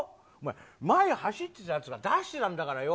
前走ってたやつが出してたんだからよ。